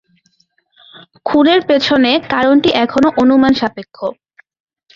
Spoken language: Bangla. খুনের পেছনে কারণটি এখনও অনুমান সাপেক্ষ।